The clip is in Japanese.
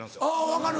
分かる。